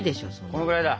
このぐらいだ。